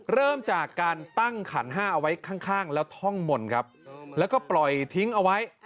เริ่มจากการตั้งขันห้าเอาไว้ข้างแล้วท่องมนต์ครับแล้วก็ปล่อยทิ้งเอาไว้